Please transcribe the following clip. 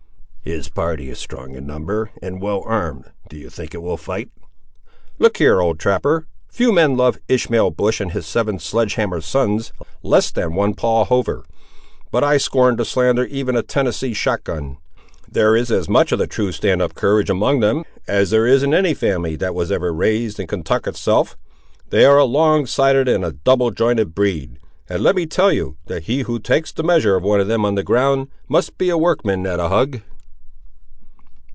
"His party is strong in number, and well armed; do you think it will fight?" "Look here, old trapper: few men love Ishmael Bush and his seven sledge hammer sons less than one Paul Hover; but I scorn to slander even a Tennessee shotgun. There is as much of the true stand up courage among them, as there is in any family that was ever raised in Kentuck, itself. They are a long sided and a double jointed breed; and let me tell you, that he who takes the measure of one of them on the ground, must be a workman at a hug."